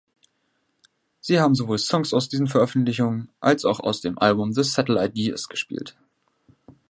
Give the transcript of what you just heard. Sie haben sowohl Songs aus diesen Veröffentlichungen als auch aus dem Album „The Sattellite Years“ gespielt.